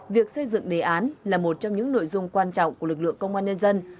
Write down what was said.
việc xây dựng đề án là một trong những nội dung quan trọng của lực lượng công an nhân dân